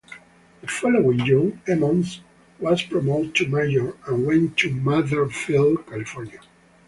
The following June, Emmons was promoted to major and went to Mather Field, California.